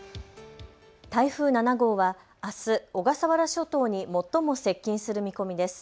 台風７号はあす、小笠原諸島に最も接近する見込みです。